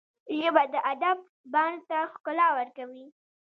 ژبه د ادب بڼ ته ښکلا ورکوي